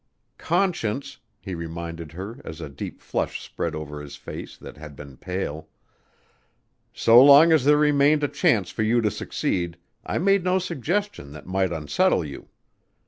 "Conscience," he reminded her as a deep flush spread over the face that had been pale, "so long as there remained a chance for you to succeed, I made no suggestion that might unsettle you.